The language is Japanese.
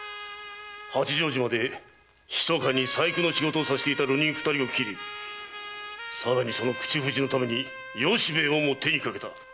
八丈島でひそかに細工の仕事をさせていた流人二人を斬りさらに口封じのために由兵衛をも手にかけた。